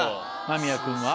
間宮君は？